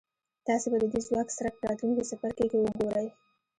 تاسې به د دې ځواک څرک په راتلونکي څپرکي کې وګورئ.